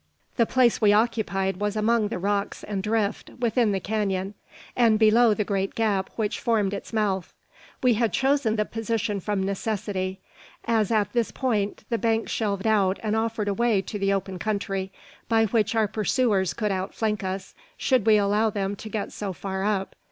The place we occupied was among the rocks and drift, within the canon, and below the great gap which formed its mouth. We had chosen the position from necessity, at at this point the bank shelved out and offered a way to the open country, by which our pursuers could outflank us, should we allow them to get so far up.